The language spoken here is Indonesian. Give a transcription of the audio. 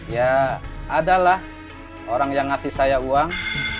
ya ada lah orang yang ngasih saya uang